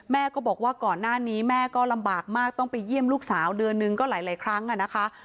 ก็บอกว่าก่อนหน้านี้แม่ก็ลำบากมากต้องไปเยี่ยมลูกสาวเดือนหนึ่งก็หลายครั้งอ่ะนะคะ